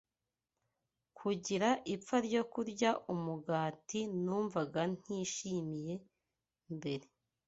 kugira ipfa ryo kurya umugati numvaga ntishimiye mbere.